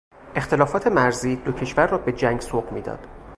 اختلافات مرزی، دو کشور را به جنگ سوق میداد.